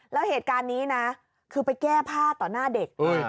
แล้วเหตุการณ์นี้นะคือไปแก้ผ้าต่อหน้าเด็ก